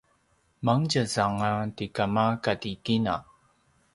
mangtjez anga ti kama kati kina